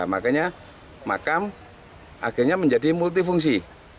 makanya makam akhirnya menjadi multifungsi